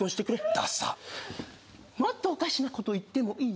ダサッ「もっとおかしなこと言ってもいい？」